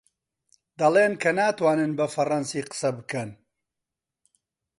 دەڵێن کە ناتوانن بە فەڕەنسی قسە بکەن.